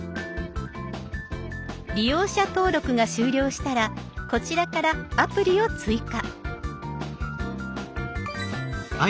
利用者登録が終了したらこちらからアプリを追加。